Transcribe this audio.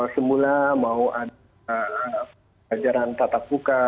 semua mau ada pelajaran tatap buka